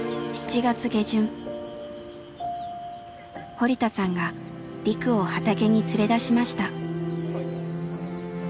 堀田さんがリクを畑に連れ出しました。